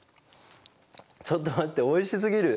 ちょっと待っておいしすぎる。